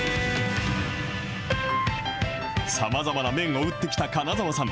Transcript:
さまざまな麺を打ってきた金澤さん。